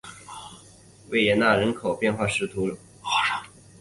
韦耶人口变化图示